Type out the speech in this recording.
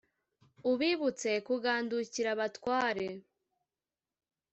ubibutse kugandukira abatware